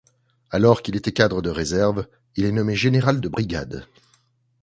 Alors qu'il était cadre de réserve, il est nommé général de brigade.